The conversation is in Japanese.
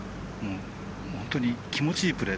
本当に気持ちいいプレー。